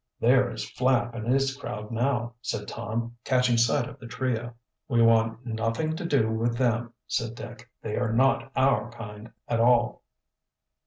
"There is Flapp and his crowd now," said Tom, catching sight of the trio. "We want nothing to do with them," said Dick. "They are not our kind at all."